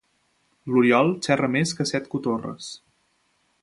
L'Oriol xerra més que set cotorres.